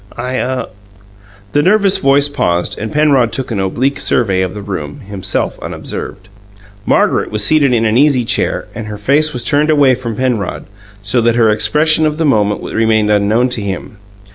I ah " The nervous voice paused, and Penrod took an oblique survey of the room, himself unobserved. Margaret was seated in an easy chair and her face was turned away from Penrod, so that her expression of the moment remained unknown to him.